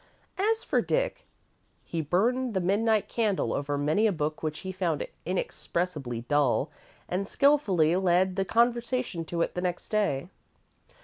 As for Dick, he burned the midnight candle over many a book which he found inexpressibly dull, and skilfully led the conversation to it the next day.